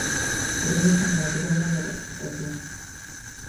Queremos chamar a todo o mundo á participación.